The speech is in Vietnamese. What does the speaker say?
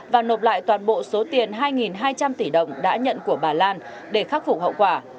và nộp lại toàn bộ số tiền hai hai trăm linh tỷ đồng đã nhận của bà lan để khắc phục hậu quả